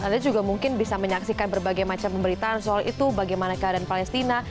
anda juga mungkin bisa menyaksikan berbagai macam pemberitaan soal itu bagaimana keadaan palestina